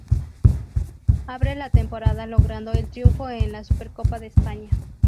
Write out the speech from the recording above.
Abre la temporada logrando el triunfo en la Supercopa de España.